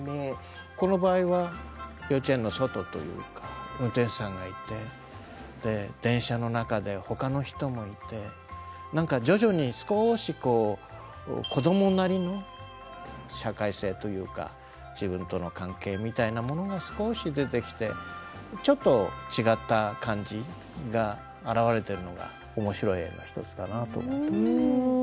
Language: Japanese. この場合は幼稚園の外というか運転手さんがいて電車の中で他の人もいてなんか徐々に少しこう自分との関係みたいなものが少し出てきてちょっと違った感じが表れてるのが面白い絵の１つだなと思ってます。